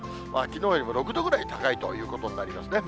きのうよりも６度ぐらい高いということになりますね。